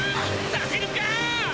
させるか！